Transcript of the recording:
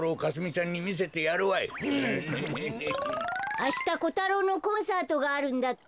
・あしたコタロウのコンサートがあるんだって。